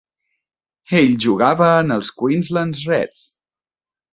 Ell jugava en els Queensland Reds.